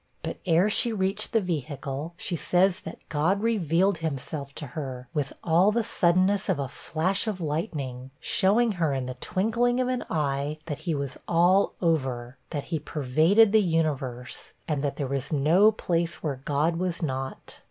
But, ere she reached the vehicle, she says that God revealed himself to her, with all the suddenness of a flash of lightning, showing her, 'in the twinkling of an eye, that he was all over' that he pervaded the universe 'and that there was no place where God was not.'